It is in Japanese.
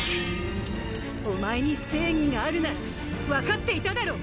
お前に正義があるなら分かっていただろう！